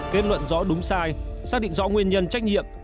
kết luận rõ đúng sai xác định rõ nguyên nhân trách nhiệm